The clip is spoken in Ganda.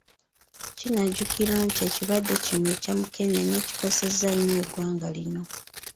Kinajjukirwa nti ekirwadde kino ekya Mukenenya kikosezza nnyo eggwanga lino.